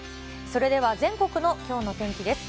それでは全国のきょうの天気です。